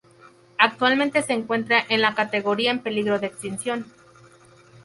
Actualmente se encuentra en la categoría en peligro de extinción.